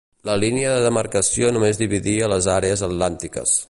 La línia de demarcació només dividia les àrees atlàntiques.